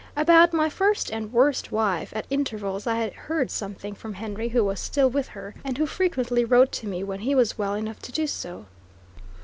About my first and worst wife, at intervals I heard something from Henry, who was still with her, and who frequently wrote to me when he was well enough to do so.